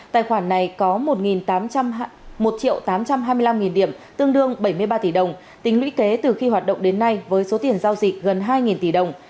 tài khoản này có một tám trăm hai mươi năm điểm tương đương bảy mươi ba tỷ đồng tính lũy kế từ khi hoạt động đến nay với số tiền giao dịch gần hai tỷ đồng